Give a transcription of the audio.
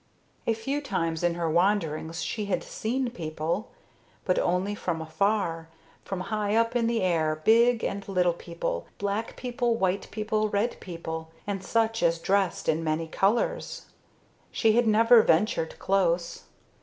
A few times in her wanderings she had seen people, but only from afar, from high up in the air big and little people, black people, white people, red people, and such as dressed in many colors. She had never ventured close.